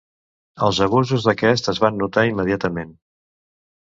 Els abusos d'aquest es van notar immediatament.